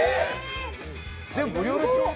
全部無料ですよ。